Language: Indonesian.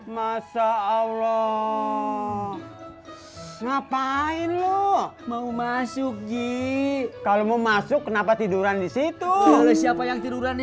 masa allah ngapain lo mau masuk ji kalau mau masuk kenapa tiduran di situ oleh siapa yang tiduran di